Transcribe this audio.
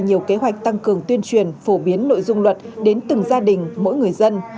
nhiều kế hoạch tăng cường tuyên truyền phổ biến nội dung luật đến từng gia đình mỗi người dân